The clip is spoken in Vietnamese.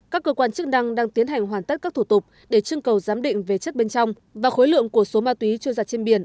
các cơ quan chức năng đang tiến hành hoàn tất các thủ tục để chương cầu giám định về chất bên trong và khối lượng của số ma túy trôi giặt trên biển